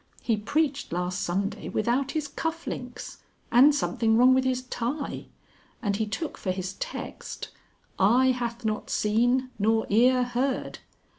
He preached last Sunday without his cuff links, and something wrong with his tie, and he took for his text, 'Eye hath not seen nor ear heard.'